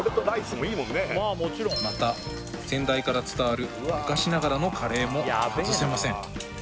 また先代から伝わる昔ながらのカレーも外せません